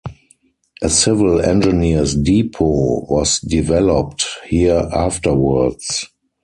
A civil engineers depot was developed here afterwards.